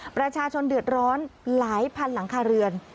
ประชาชนเดือดร้อนหลายพันหลังคาเรือน